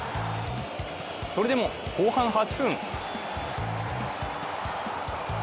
それでも後半８分。